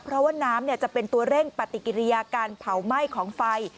เพราะว่าน้ำจะเป็นตัวเร่งปฏิกิริยาการเผาไหม้ของไฟ